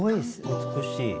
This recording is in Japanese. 美しい。